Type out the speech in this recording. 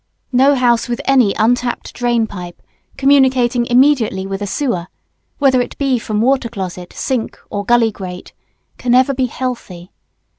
No house with any untrapped drain pipe communicating immediately with a sewer, whether it be from water closet, sink, or gully grate, can ever be healthy.